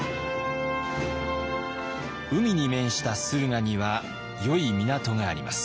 海に面した駿河にはよい港があります。